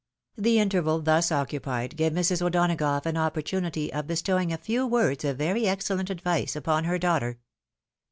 The interval thus occupied gave Mrs. O'Donagough an opportunity of bestowing a few words of very excellent advice upon her daughter.